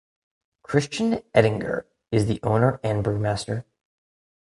Christian Ettinger is the owner and brewmaster.